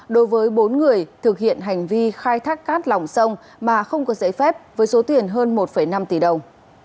đối với bốn người thực hiện hành vi khai thác cát lỏng sông mà không có giấy phép với số tiền hơn một năm tỷ đồng